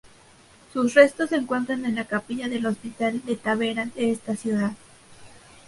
Sus restos se encuentran en la capilla del Hospital de Tavera de esta ciudad.